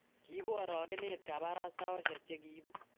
kiibu orokenet kabarastaosiek che kiibu